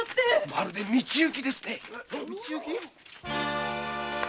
まるで「道行き」ですね。